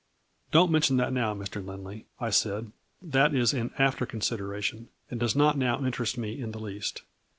" Do n't mention that now, Mr. Lindley." I said, " that is an after consideration, and does not now interest me in the least.